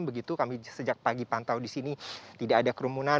begitu kami sejak pagi pantau di sini tidak ada kerumunan